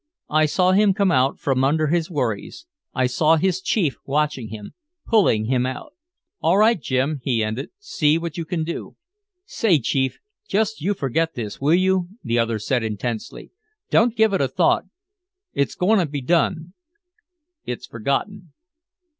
I saw him come out from under his worries, I saw his chief watching him, pulling him out. "All right, Jim," he ended. "See what you can do." "Say, Chief, just you forget this, will you?" the other said intensely. "Don't give it a thought. It's go'n' to be done!" "It's forgotten."